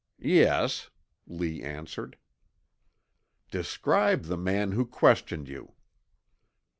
"Yes," Lee answered. "Describe the man who questioned you?"